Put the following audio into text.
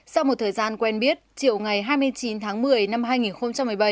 sau một thời gian quen biết chiều ngày hai mươi chín tháng một mươi năm hai nghìn một mươi bảy